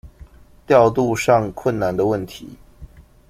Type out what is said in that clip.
調度上困難的問題